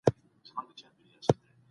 تل له خپلو مشرانو څخه مشوره واخله.